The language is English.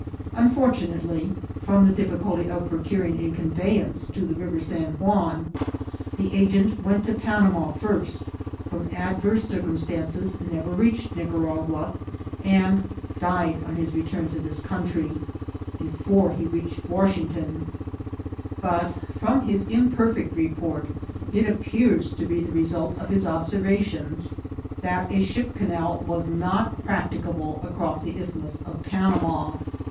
Unfor PROBABLfi GOtT OV THX CANAL. 417 tanatefy) from ^e diffioulty of proouriBg a conveyinos to the River San Joan, the agent went to Pamma fifst, from adverae circumstances never reached Nioa» ragua^ and died on his return to ikis country, before ha reached Washington ; but, from his imperfect report, it appears to be the result of his obserrations that a ship canal was not practicable across the Isthmus of Pana» ma.